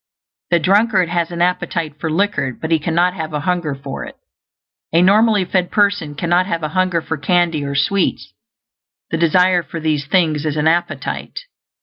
The drunkard has an appetite for liquor, but he cannot have a hunger for it. A normally fed person cannot have a hunger for candy or sweets; the desire for these things is an appetite.